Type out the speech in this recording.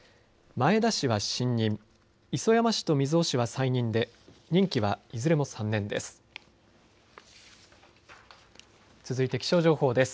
前田氏は新任、礒山氏と水尾氏は再任で任期はいずれも３年です。